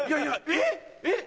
えっ？